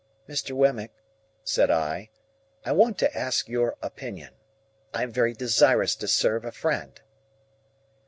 "Mr. Wemmick," said I, "I want to ask your opinion. I am very desirous to serve a friend."